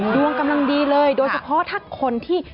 ดวงกำลังดีเลยโดยเฉพาะถ้าคนที่